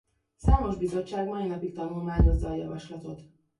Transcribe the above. Számos bizottság mai napig tanulmányozza a javaslatot.